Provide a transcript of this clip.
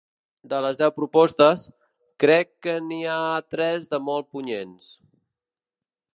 De les deu propostes, crec que n’hi ha tres de molt punyents.